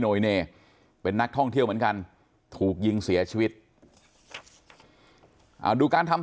โดยเนเป็นนักท่องเที่ยวเหมือนกันถูกยิงเสียชีวิตดูการทำ